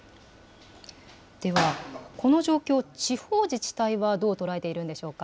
では、この状況、地方自治体はどう捉えているんでしょうか。